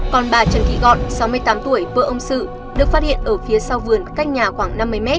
còn bà trần thị gọn sáu mươi tám tuổi vợ ông sự được phát hiện ở phía sau vườn cách nhà khoảng năm mươi m